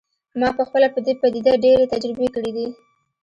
ما پخپله په دې پدیده ډیرې تجربې کړي دي